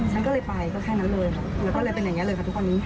ฉันก็เลยไปแล้วแค่นั้นเลย